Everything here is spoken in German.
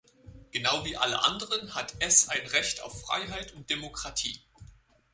Genau wie alle anderen hat es ein Recht auf Freiheit und Demokratie.